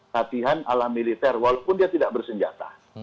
latihan ala militer walaupun dia tidak bersenjata